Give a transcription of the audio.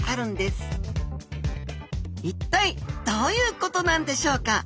一体どういうことなんでしょうか？